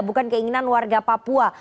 bukan keinginan warga papua